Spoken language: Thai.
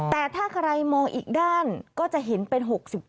แต่ถ้าใครมองอีกด้านก็จะเห็นเป็น๖๗